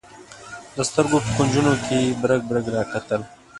د سترګو په کونجونو کې یې برګ برګ راکتل.